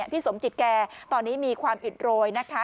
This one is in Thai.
พี่สมจิตแกตอนนี้มีความอิดโรยนะคะ